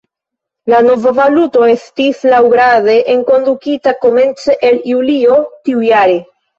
La nova valuto estis laŭgrade enkondukita komence el Julio tiujare.